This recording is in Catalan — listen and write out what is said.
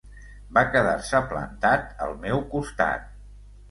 Va quedar-se plantat al meu costat.